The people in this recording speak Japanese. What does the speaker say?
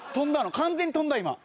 完全に飛んだ今。